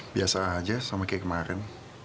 biasa aja sama kayak kemarin